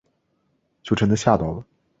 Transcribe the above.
就真的吓到了